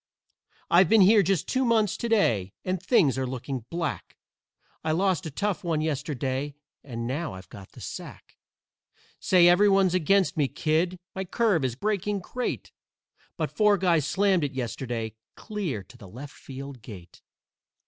"I've been here just two months to day, and things are looking black; I lost a tough one yesterday, and now I've got the sack. Say, everyone's against me, kid. My curve is breaking great, But four guys slammed it yesterday clear to the left field gate.